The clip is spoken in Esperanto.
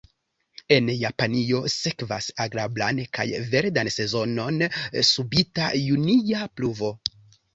En Japanio sekvas agrablan kaj verdan sezonon subita junia pluvo.